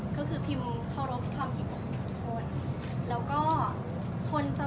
ก็คือพิมพ์เควรบความขี้โมงหนีโว้ยและ